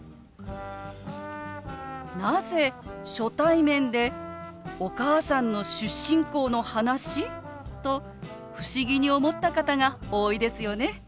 「なぜ初対面でお母さんの出身校の話？」と不思議に思った方が多いですよね。